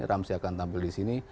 ramsey akan tampil disini